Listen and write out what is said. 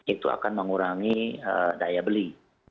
itu akan mengurangi daya beli